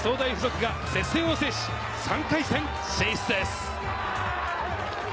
長崎総大附属が接戦を制し３回戦進出です。